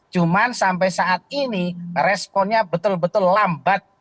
cuman sampai saat ini responnya betul betul lambat